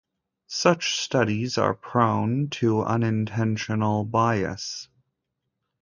Such studies are prone to unintentional bias.